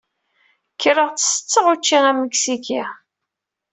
Kkreɣ-d setteɣ učči amiksiki.